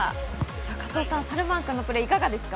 加藤さん、サルマン君のプレーはいかがですか？